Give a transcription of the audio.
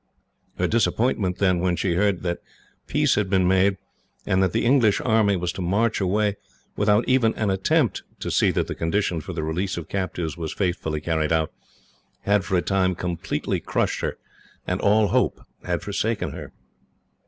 Her disappointment, then, when she heard that peace had been made, and that the English army was to march away, without even an attempt to see that the condition for the release of captives was faithfully carried out, had for a time completely crushed her, and all hope had forsaken her.